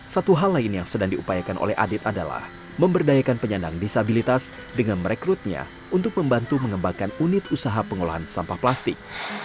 satu hal lain yang sedang diupayakan oleh adit adalah memberdayakan penyandang disabilitas dengan merekrutnya untuk membantu mengembangkan unit usaha pengolahan sampah plastik